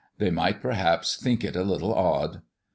They might perhaps think it a little odd."